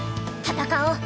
戦おう。